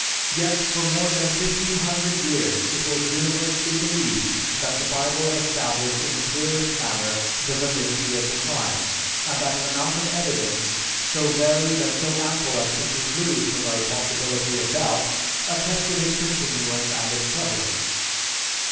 Yet, for more than fifteen hundred years it was universally believed that the Bible established in the clearest manner, the validity of the crime, and that an amount of evidence, so varied and so ample as to preclude the very possibility of doubt, attested its continuance and its prevalence....